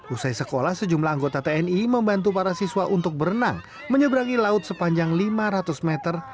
usai sekolah sejumlah anggota tni membantu para siswa untuk berenang menyeberangi laut sepanjang lima ratus meter